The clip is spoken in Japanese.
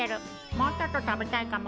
もうちょっと食べたいかも。